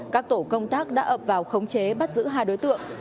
các tổ công tác đã ập vào khống chế bắt giữ hai đối tượng